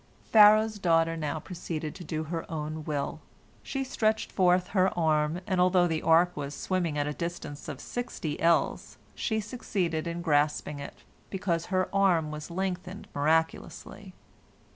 Pharaoh's daughter now proceeded to do her own will. She stretched forth her arm, and although the ark was swimming at a distance of sixty ells, she succeeded in grasping it, because her arm was lengthened miraculously.